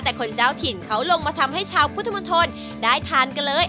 แต่คนเจ้าถิ่นเขาลงมาทำให้ชาวพุทธมนตรได้ทานกันเลย